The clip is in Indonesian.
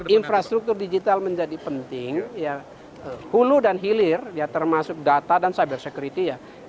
infrastruktur digital menjadi penting hulu dan hilir termasuk data dan cybersecurity